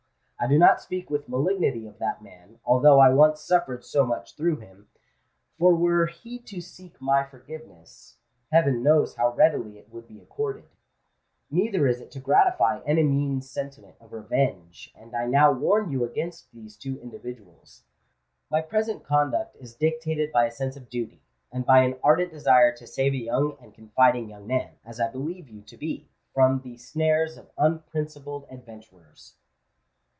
I do not speak with malignity of that man—although I once suffered so much through him: for were he to seek my forgiveness, heaven knows how readily it would be accorded. Neither is it to gratify any mean sentiment of revenge that I now warn you against these two individuals. My present conduct is dictated by a sense of duty, and by an ardent desire to save a young and confiding young man, as I believe you to be, from the snares of unprincipled adventurers."